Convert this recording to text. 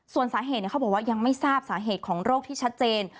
ส่วนสาเหตุเขาบอกว่ายังไม่ทราบสาเหตุของโรคที่ชัดเจน